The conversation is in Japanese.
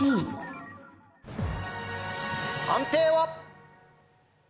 判定は？